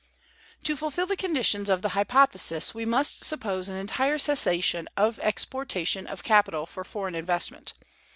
To fulfill the conditions of the hypothesis, we must suppose an entire cessation of the exportation of capital for foreign investment.